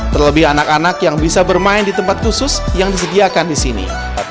terlebih anak anak yang bisa bermain di tempat khusus yang disediakan di sini